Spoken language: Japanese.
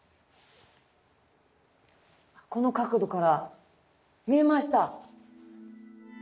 この角度から見えました。